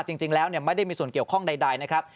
จริงแล้วไม่ได้มีส่วนเกี่ยวข้องใดนะครับ